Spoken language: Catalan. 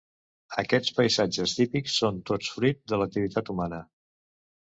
Aquests paisatges típics són tots fruit de l'activitat humana.